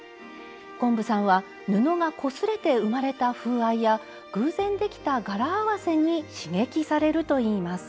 昆布さんは布がこすれて生まれた風合いや偶然できた柄合わせに刺激されるといいます。